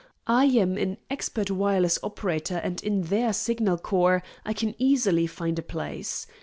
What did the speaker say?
I am an expert wireless operator and in their Signal Corps I can easily find a place.